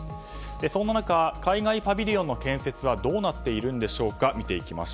そんな中海外パビリオンの建設はどうなっているんでしょうか